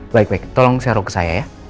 baik baik tolong share ke saya ya